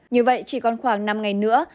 như vậy chỉ còn khoảng năm ngày nữa